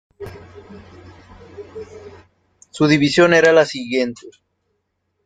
Su división era la siguiente.